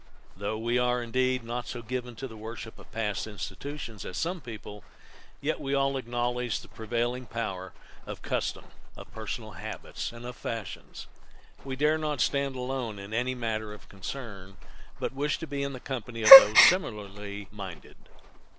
Though we are, indeed, not so given to the worship of past institutions as some people, yet we all acknowledge the prevailing power of custom, of personal habits, and of fashions. We dare not stand alone in any matter of concern, but wish to be in company of those similarly minded.